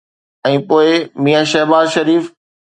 ۽ پوءِ ميان شهباز شريف.